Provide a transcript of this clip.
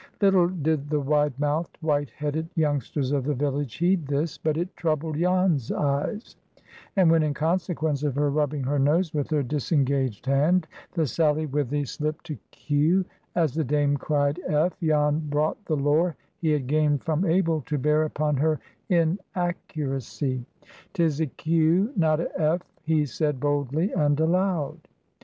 Little did the wide mouthed, white headed youngsters of the village heed this, but it troubled Jan's eyes; and when—in consequence of her rubbing her nose with her disengaged hand—the sallywithy slipped to Q as the Dame cried F, Jan brought the lore he had gained from Abel to bear upon her inaccuracy. "'Tis a Q, not a F," he said, boldly and aloud.